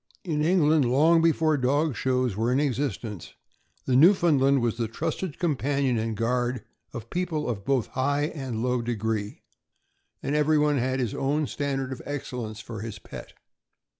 In Eng land, long before dog shows were in existence, the New foundland was the trusted companion and guard of people of both high and low decree, and everyone had his own standard of excellence for his pet.